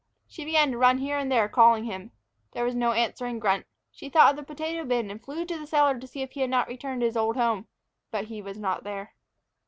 She began to run here and there, calling him. There was no answering grunt. She thought of the potato bin, and flew to the cellar to see if he had not returned to his old home, but he was not there.